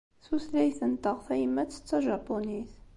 Tutlayt-nteɣ tayemmat d tajapunit.